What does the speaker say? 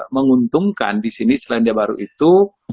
menguntungkan disini selandia baru itu